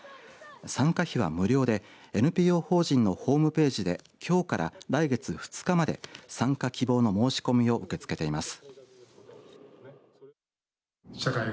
参加費は無料でＮＰＯ法人のホームページできょうから来月２日まで参加希望の申し込みを受け付けています。